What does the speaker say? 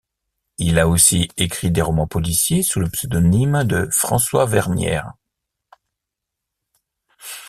Il a aussi écrit des romans policiers sous le pseudonyme de François Vernières.